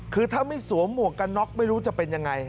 คือถ้าไม่สวมหมวกกันน็อกไม่รู้จะเป็นยังไง